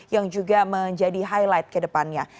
yang juga menjadi highlight ke depannya